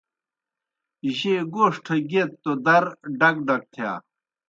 جیئے گوݜٹھہ گیئت توْ در ڈک ڈک تِھیا۔